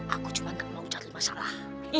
aku cuma gak mau cari masalah